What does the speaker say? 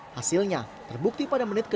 hasilnya terbukti pada menit ke tujuh